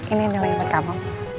ini nilai pertama